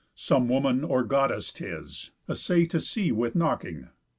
Some woman, or some Goddess, 'tis. Assay To see with knocking.